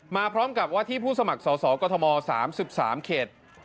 มาพร้อมกับวัฒนีผู้สมัครสสกศ๓๓เขต